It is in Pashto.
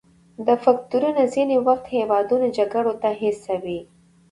دا فکتورونه ځینې وخت هیوادونه جګړو ته هڅوي